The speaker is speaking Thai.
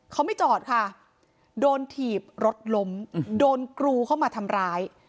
เขาไม่จอดค่ะโดนถีบรถล้มโดนกรูเข้ามาทำร้าย